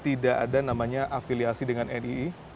tidak ada namanya afiliasi dengan nii